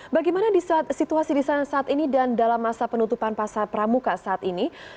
bagaimana situasi di sana saat ini dan dalam masa penutupan pasar pramuka saat ini